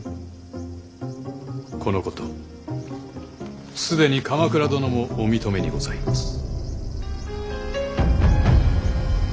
このこと既に鎌倉殿もお認めにございます。